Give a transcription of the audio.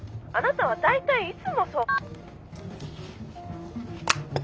あなたは大体いつもそう。